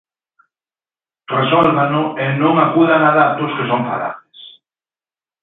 Resólvano e non acudan a datos que son falaces.